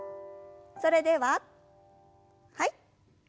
それでははい。